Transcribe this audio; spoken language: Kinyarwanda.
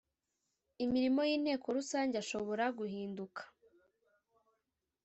Imirimo y inteko rusange ashobora guhinduka